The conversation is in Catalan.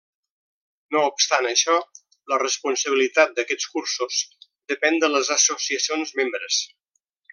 No obstant això, la responsabilitat d'aquests cursos depèn de les associacions membres.